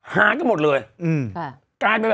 ฮ่าก็หมดเลย